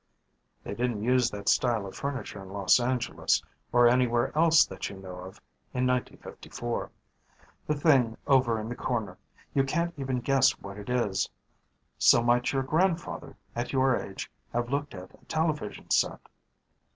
They didn't use that style of furniture in Los Angeles or anywhere else that you know of in 1954. That thing over in the corner you can't even guess what it is. So might your grandfather, at your age, have looked at a television set.